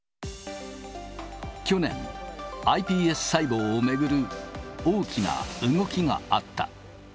去年、ｉＰＳ細胞を巡る大きな動きがあった。